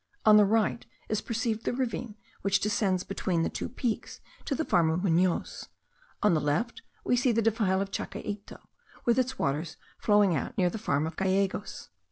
On the right is perceived the ravine which descends between the two peaks to the farm of Munoz; on the left we see the defile of Chacaito, with its waters flowing out near the farm of Gallegos.